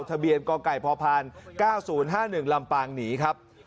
ทะเบียนกไก่พพ๙๐๕๑ลำปางหนีครับ